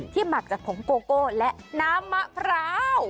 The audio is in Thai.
หมักจากผงโกโก้และน้ำมะพร้าว